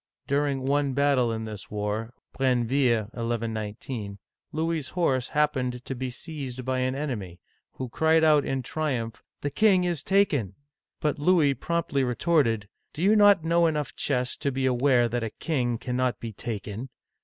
During one battle in this war (Brenneville, 1 1 19), Louisas horse happened to be seized by an enemy, who cried out in triumph, The king is taken !But Louis promptly retorted, " Do you not know enough chess to be aware that a king cannot be taken